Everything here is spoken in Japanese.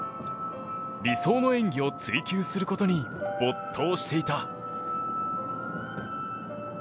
理想の演技を追求することに没頭していた。